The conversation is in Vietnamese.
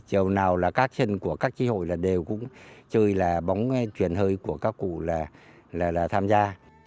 trèo nào là các chân của các tri hội là đều cũng chơi là bóng truyền hơi của các cụ là tham gia